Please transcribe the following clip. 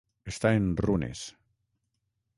Està en runes.